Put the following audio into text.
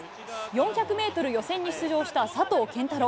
４００メートル予選に出場した佐藤拳太郎。